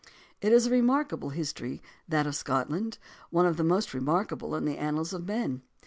It is a remarkable history, that of Scotland, one of the most remarkable in the annals of men.